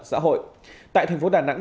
xã hội tại thành phố đà nẵng